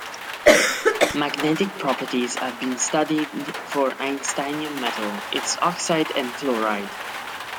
Magnetic properties have been studied for einsteinium metal, its oxide and fluoride.